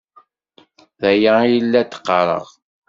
D aya i la d-qqareɣ.